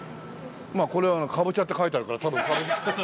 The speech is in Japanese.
まあこれはかぼちゃって書いてあるから多分。